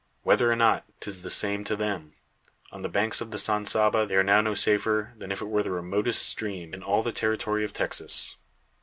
Whether or not, 'tis the same to them. On the banks of the San Saba they are now no safer, than if it were the remotest stream in all the territory of Texas.